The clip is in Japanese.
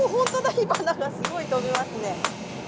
火花がすごい飛びますね。